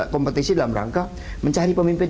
kompetisi dalam rangka mencari pemimpin